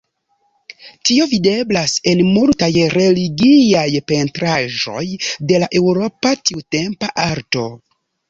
Tio videblas en multaj religiaj pentraĵoj de la eŭropa tiutempa arto.